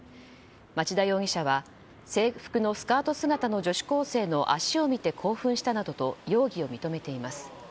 町田容疑者は制服のスカート姿の女子高生の足を見て興奮したなどと容疑を認めています。